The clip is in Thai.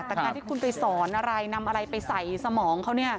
แต่การที่คุณไปสอนอะไรนำอะไรไปใส่สมองเขาเนี่ย